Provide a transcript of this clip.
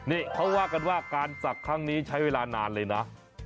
นี่เขาว่ากันว่าการศักดิ์ครั้งนี้ใช้เวลานานเลยนะ